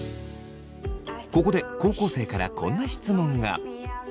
ここで高校生からこんな質問が。